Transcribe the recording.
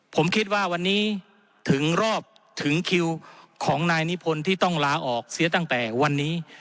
ผมคิดว่าวันนี้ถึงรอบถึงคิวของนายนิพนธ์ที่ต้องลาออกเสียตั้งแต่วันนี้